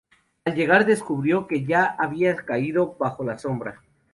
Al llegar descubrió que ya había caído bajo la sombra.